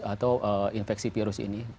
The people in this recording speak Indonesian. untuk penelitian atau infeksi virus ini